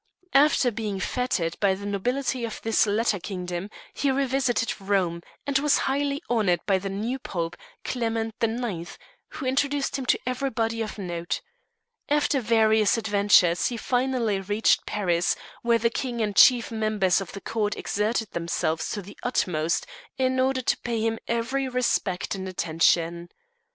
After being fêted by the nobility of this latter kingdom he revisited Rome, and was highly honoured by the new Pope, Clement the Ninth, who introduced him to everybody of note. After various adventures he finally reached Paris, where the King and chief members of the Court exerted themselves to the utmost in order to pay him every respect and attention.